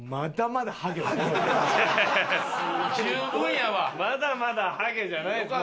まだまだハゲじゃないです。